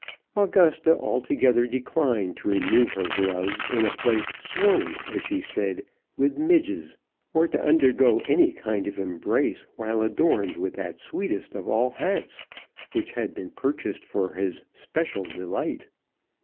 Augusta altogether declined to remove her gloves in a place swarming, as she said, with midges, or to undergo any kind of embrace while adorned with that sweetest of all hats, which had been purchased for his especial delight.